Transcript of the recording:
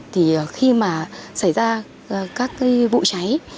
thì khi mà xảy ra các cái vụ cháy